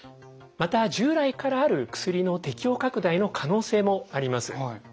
また従来からある薬の適応拡大の可能性もあります。